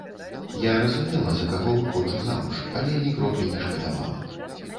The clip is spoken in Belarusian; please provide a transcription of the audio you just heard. Я разумела, за каго выходжу замуж, але ні кроплі не шкадавала.